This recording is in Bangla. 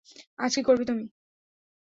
আজ কি করবে তুমি?